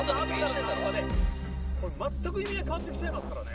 これ全く意味合い変わって来ちゃいますからね。